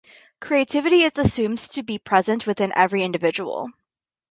Creativity is assumed to be present within every individual.